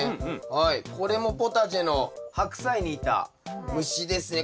はいこれもポタジェのハクサイにいた虫ですね。